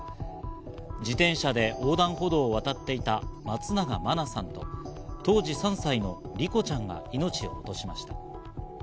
自転車で横断歩道を渡っていた松永真菜さんと当時３歳の莉子ちゃんが命を落としました。